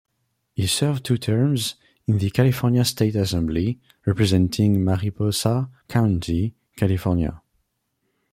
He served two terms in the California State Assembly, representing Mariposa County, California.